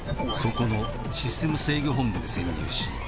「そこのシステム制御本部に潜入し」